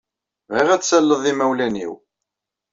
Bɣiɣ ad talled imawlan-inu.